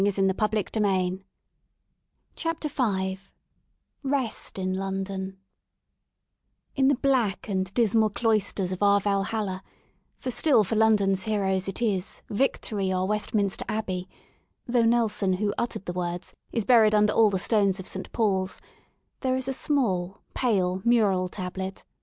142 REST IN LONDON CHAPTER V REST IN LONDON IN the black and dismal cloisters of our Valhalla — for still for London *s heroes it is Victory or Westminster Abbey," though Nelson, who uttered the words, is buried under all the stones of St. Paul's — there is a small ^ pale mural tablet.